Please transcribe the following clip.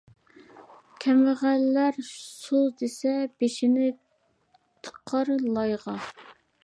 كەمبەغەللەر سۇ دېسە، بېشىنى تىقار لايغا.